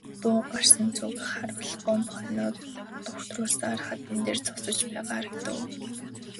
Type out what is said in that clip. Дуу гарсан зүг харвал Гомбо хонио дугтруулсаар хадан дээр зогсож байгаа харагдав.